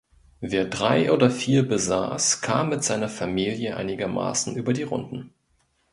Wer drei oder vier besaß kam mit seiner Familie einigermaßen über die Runden.